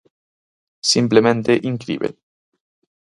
Simplemente, incríbel.